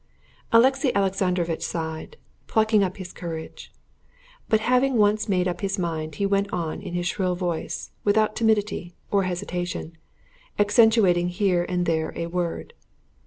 Alexey Alexandrovitch sighed, plucking up his courage. But having once made up his mind he went on in his shrill voice, without timidity—or hesitation, accentuating here and there a word.